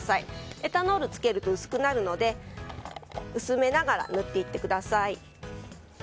エタノールをつけると薄くなるので薄めながら塗っていってください。